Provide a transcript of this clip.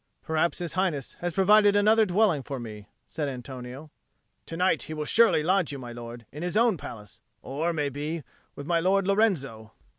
"Perhaps His Highness has provided another dwelling for me," said Antonio. "To night he will surely lodge you, my lord, in his own palace, or, may be, with my Lord Lorenzo."